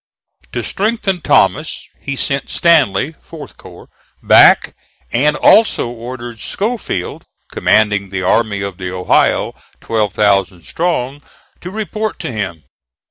To strengthen Thomas he sent Stanley (4th corps) back, and also ordered Schofield, commanding the Army of the Ohio, twelve thousand strong, to report to him.